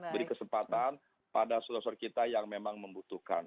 beri kesempatan pada saudara saudara kita yang memang membutuhkan